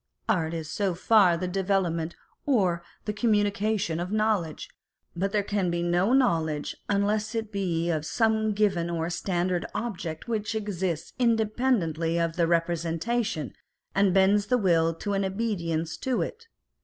Art is so far the development or the communi cation of knowledge, but there can be no knowledge unless it be of some given or standard object which exists independently of the representation and bends the will to an obedience to it.